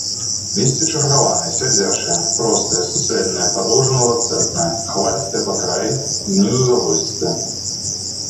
Лісце чаргаванае, сядзячае, простае, суцэльнае, падоўжана-ланцэтнае, хвалістае па краі, знізу залозістае.